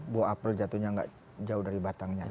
bahwa apel jatuhnya nggak jauh dari batangnya